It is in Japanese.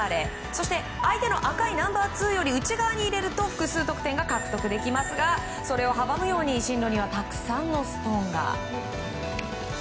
そして相手の赤いナンバーツーより内側に入れると複数得点が獲得できますがそれを阻むように進路にはたくさんのストーンが。